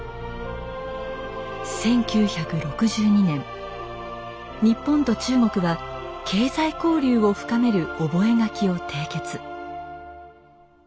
１９６２年日本と中国は経済交流を深める覚書を締結。